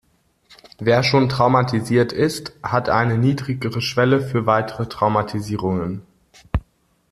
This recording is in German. Wer schon traumatisiert ist, hat eine niedrigere Schwelle für weitere Traumatisierungen.